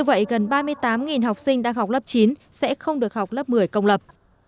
như vậy gần ba mươi tám học sinh đang học lớp chín sẽ không được học lớp một mươi công lập